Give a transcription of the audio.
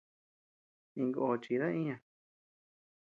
Iñkó chida iña.